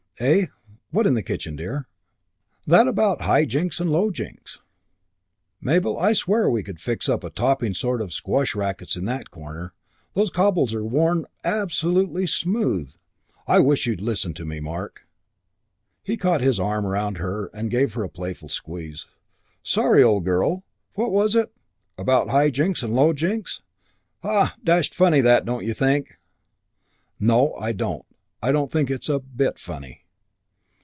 "Eh, what in the kitchen, dear?" "That about High Jinks and Low Jinks." "Mabel, I swear we could fix up a topping sort of squash rackets in that corner. Those cobbles are worn absolutely smooth " "I wish you'd listen to me, Mark." He caught his arm around her and gave her a playful squeeze. "Sorry, old girl, what was it? About High Jinks and Low Jinks? Ha! Dashed funny that, don't you think?" "No, I don't. I don't think it's a bit funny."